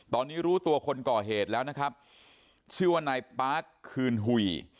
ตอนนี้รู้ตัวคนก่อเหตุแล้วนะครับชื่อว่านายปาร์คคืนหุย